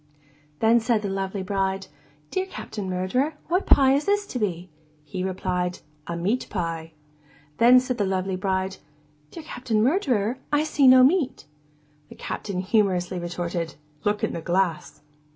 Then said the lovely bride, 'Dear Captain Murderer, what pie is this to be?' He replied, 'A meat pie.' Then said the lovely bride, 'Dear Captain Murderer, I see no meat.' The Captain humorously retorted, 'Look in the glass.